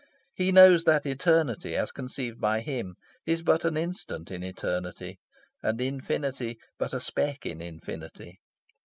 He knows that eternity, as conceived by him, is but an instant in eternity, and infinity but a speck in infinity.